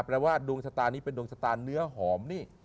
แปลว่าดวงชะตานี้เป็นดวงชะตาเนื้อหอมนี่